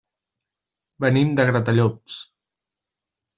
Venim de Gratallops.